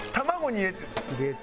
入れて。